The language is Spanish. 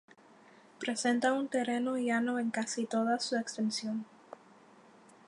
Presenta un terreno llano en casi toda su extensión.